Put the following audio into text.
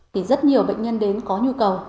thì rất nhiều bệnh nhân đến có nhu cầu